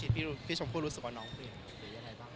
พี่ชมพู่รู้สึกว่าน้องเปลี่ยนหรือยังไงบ้าง